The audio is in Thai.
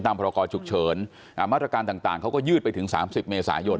ตามพรากรฉุกเฉินอ่ามาตรการต่างต่างเขาก็ยืดไปถึงสามสิบเมษายน